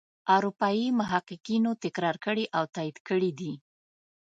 اروپايي محققینو تکرار کړي او تایید کړي دي.